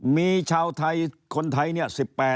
มีชาวไทยคนไทย๑๘